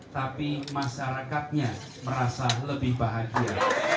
tapi masyarakatnya merasa lebih bahagia